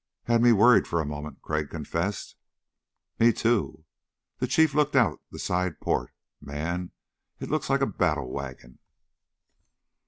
"Had me worried for a moment," Crag confessed. "Me, too." The Chief looked out of the side port "Man, it looks like a battle wagon."